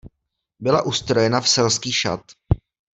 Byla ustrojena v selský šat.